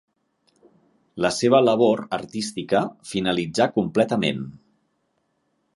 La seva labor artística finalitzà completament.